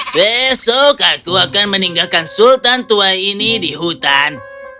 besok aku akan meninggalkan sultan tua ini di hutan